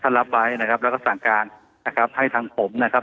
รับไว้นะครับแล้วก็สั่งการนะครับให้ทางผมนะครับ